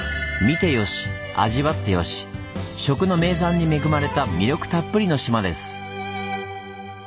見てよし味わってよし食の名産に恵まれた魅力たっぷりの島です。